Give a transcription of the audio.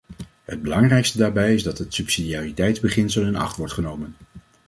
Het belangrijkste daarbij is dat het subsidiariteitsbeginsel in acht wordt genomen.